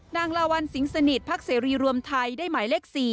ลาวัลสิงสนิทพักเสรีรวมไทยได้หมายเลข๔